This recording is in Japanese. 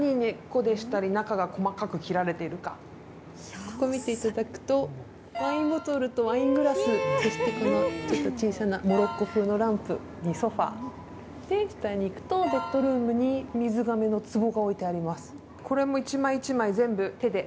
よく見ていただくと、ワインボトルとワイングラス、そして小さなモロッコ風のランプ、ソファ、そして下に行くと、ベッドルームに水瓶の壺が置いてあります。